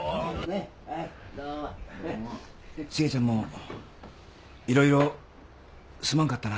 シゲちゃんもいろいろすまんかったな。